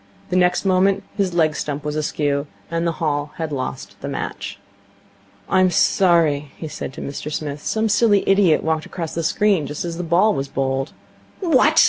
The next moment his leg stump was askew; and the Hall had lost the match. 'I'm sorry,' he said to Mr Smith. 'Some silly idiot walked across the screen just as the ball was bowled.' 'What!'